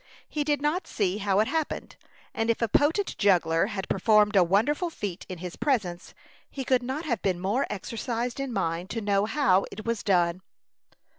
He did not see how it happened; and if a potent juggler had performed a wonderful feat in his presence, he could not have been more exercised in mind to know how it was done.